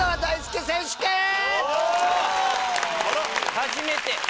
初めて！